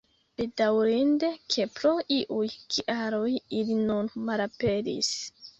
Bedaŭrinde, ke pro iuj kialoj ili nun malaperis.